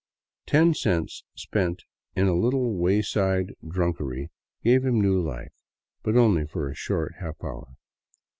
Ten cents spent in a little wayside drunkery gave him new life, but only for a short half hour.